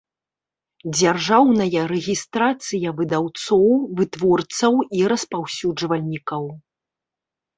Дзяржаўная рэгiстрацыя выдаўцоў, вытворцаў i распаўсюджвальнiкаў